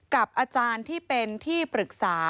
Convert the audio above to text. กับอาจารย์ที่เป็นที่ปรึกษา